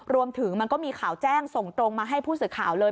มันก็มีข่าวแจ้งส่งตรงมาให้ผู้สื่อข่าวเลย